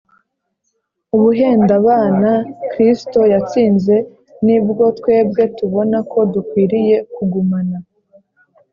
. Ubuhendabana Kristo yatsinze nibwo twebwe tubona ko dukwiriye kugumana